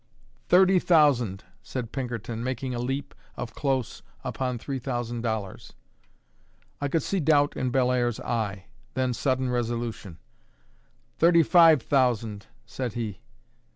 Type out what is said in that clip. "Thirty thousand," said Pinkerton, making a leap of close upon three thousand dollars. I could see doubt in Bellairs's eye; then, sudden resolution. "Thirty five thousand," said he.